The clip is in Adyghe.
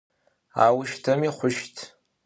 Auşteumi xhuşt.